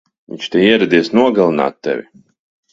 Viņš te ieradies nogalināt tevi!